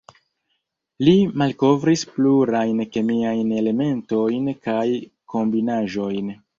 Li malkovris plurajn kemiajn elementojn kaj kombinaĵojn.